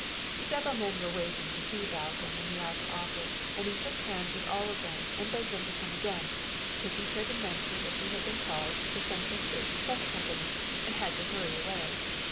Several men were waiting to see Balcomb in the outer office and he shook hands with all of them and begged them to come again, taking care to mention that he had been called to the Central States Trust Company and had to hurry away.